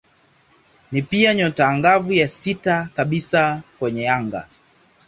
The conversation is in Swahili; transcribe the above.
Ni pia nyota angavu ya sita kabisa kwenye anga.